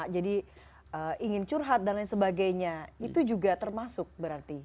jadi ingin curhat dan lain sebagainya itu juga termasuk berarti